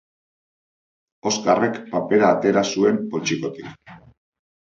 Oskarrek papera atera zuen poltsikotik.